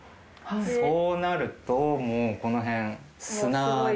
そうなるともうこのへん砂で。